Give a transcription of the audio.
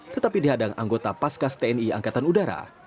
tetapi dihadang anggota paskas tni angkatan udara